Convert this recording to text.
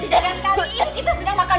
ini kan pertama keer semua viapan maluan